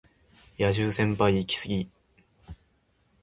野獣先輩イキスギ